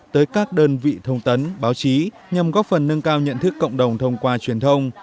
tới các đơn vị thông tấn báo chí nhằm góp phần nâng cao nhận thức cộng đồng thông qua truyền thông